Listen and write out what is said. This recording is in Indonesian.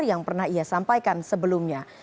yang pernah ia sampaikan sebelumnya